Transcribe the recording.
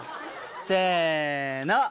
せの！